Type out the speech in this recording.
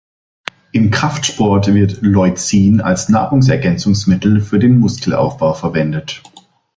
Im Kraftsport wird Leucin als Nahrungsergänzungsmittel für den Muskelaufbau verwendet.